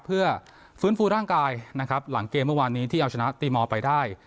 เพื่อฟื้นฟูร่างกายนะครับหลังเกมเมื่อวานนี้ที่เอาชนะตีมอลไปได้